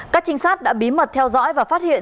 các trinh sát đã bí mật theo dõi và phát hiện